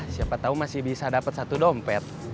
siapa tahu masih bisa dapat satu dompet